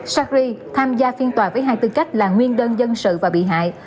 shari tham gia phiên tòa với hai tư cách là nguyên đơn dân sự và bị hại